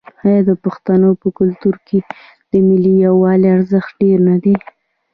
آیا د پښتنو په کلتور کې د ملي یووالي ارزښت ډیر نه دی؟